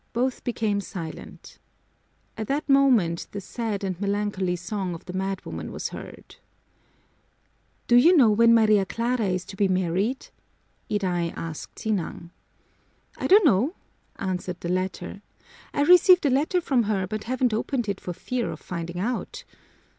Both became silent. At that moment the sad and melancholy song of the madwoman was heard. "Do you know when Maria Clara is to be married?" Iday asked Sinang. "I don't know," answered the latter. "I received a letter from her but haven't opened it for fear of finding out.